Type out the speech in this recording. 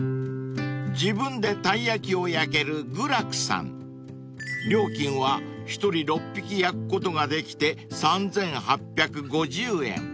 ［自分でたい焼きを焼ける求楽さん］［料金は一人６匹焼くことができて３，８５０円］